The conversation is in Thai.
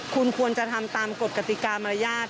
คุณควรจะทำตามกฎกติกามารยาท